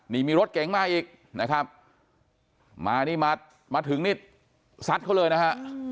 นี่มีรถเก๋งมาอีกนะครับมานี่มามาถึงนี่ซัดเขาเลยนะฮะ